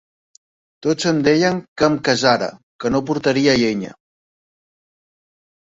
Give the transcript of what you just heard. Tots em deien que em casara, que no portaria llenya.